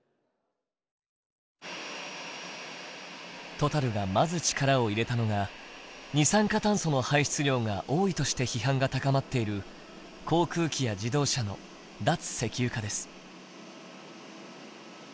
トタルがまず力を入れたのが二酸化炭素の排出量が多いとして批判が高まっている航空機や自動車の脱石油化です。